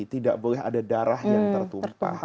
tidak boleh ada darah yang tertumpah